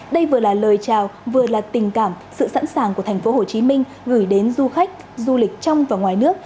đây vừa là lời chào vừa là tình cảm sự sẵn sàng của thành phố hồ chí minh gửi đến du khách du lịch trong và ngoài nước